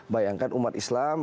bayangkan umat islam